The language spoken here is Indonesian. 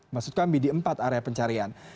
maksud kami di empat area pencarian